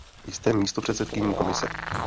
Jste místopředsedkyní Komise.